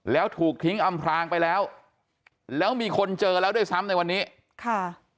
แล้วถูกทิ้งอำพลางไปแล้วแล้วมีคนเจอแล้วด้วยซ้ำในวันนี้ค่ะ